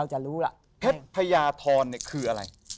เพชรพญาธรเนี่ยคืออะไร